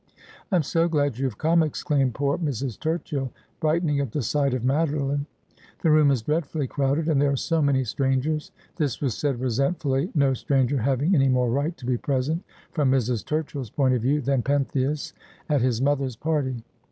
' I am so glad you have come,' exclaimed poor Mrs. Turchill, brightening at the sight of Madeline. ' The room is dreadfully crowded, and there are so many strangers.' This was said re sentfully, no stranger having any more right to be present, from Mrs. Turchill's point of view, than Pentheus at his mother's party.